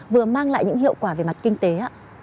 vừa mang lại những hiệu quả về mặt kinh tế ạ